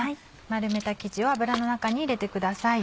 丸めた生地を油の中に入れてください。